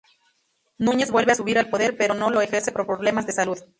Núñez vuelve a subir al poder, pero no lo ejerce por problemas de salud.